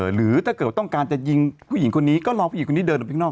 หรือถ้าเกิดว่าต้องการจะยิงผู้หญิงคนนี้ก็รอผู้หญิงคนนี้เดินออกไปข้างนอก